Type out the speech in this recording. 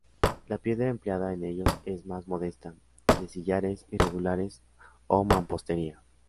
La piedra empleada en ellos es más modesta, de sillares irregulares o mampostería.